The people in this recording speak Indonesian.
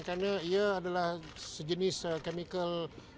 karena ia adalah sejenis kemisal